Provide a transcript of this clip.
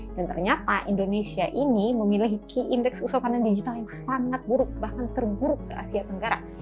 dan ternyata indonesia ini memiliki indeks kesopanan digital yang sangat buruk bahkan terburuk se asia tenggara